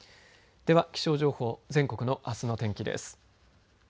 では気象情報全国のあすの天気です。